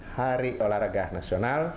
hari olahraga nasional